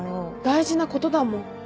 大事なことだもん。